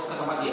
ke depan dia